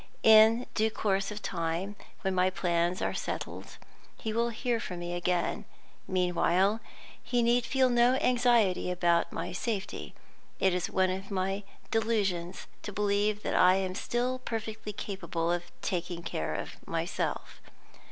In due course of time, when my plans are settled, he will hear from me again. Meanwhile, he need feel no anxiety about my safety. It is one among my other delusions to believe that I am still perfectly capable of taking care of myself.